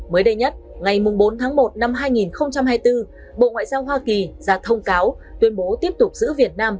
mới đây nhất ngày bốn tháng một năm hai nghìn hai mươi bốn bộ ngoại giao hoa kỳ ra thông cáo tuyên bố tiếp tục giữ việt nam